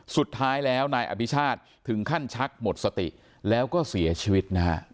สุดท้ายแล้วนายอภิชาติถึงขั้นชักหมดสติแล้วก็เสียชีวิตนะฮะ